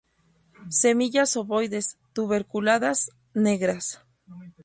Semillas ovoides, tuberculadas, negras.